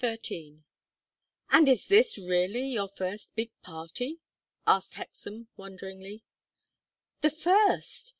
XIII "And is this really your first big party?" asked Hexam, wonderingly. "The first!